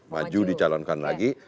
maju dicalonkan lagi